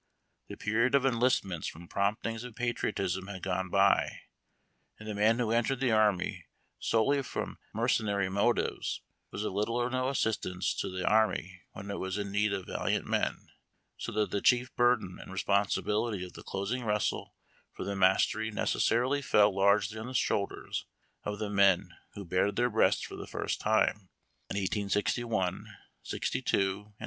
The jDeriod of enlistments from promptings of patriotism had gone b} , and the man who entered the army solely from mercenary motives was of little or no assistance to that army when it was in need of valiant men, so that the cliief burden and responsi bility of the closing wrestle for the mastery necessarily fell largely on the shoulders of the men who bared their breasts for the first time in 1861, "62, and '63.